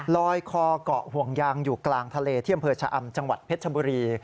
ลอยคอเกาะห่วงยางอยู่กลางทะเลที่อำเภอชะอำจังหวัดเพชรชบุรี